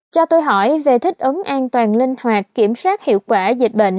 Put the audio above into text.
cho tôi hỏi về thích ứng an toàn linh hoạt kiểm soát hiệu quả dịch bệnh